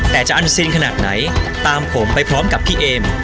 แต่จะอันซีนขนาดไหนตามผมไปพร้อมกับพี่เอม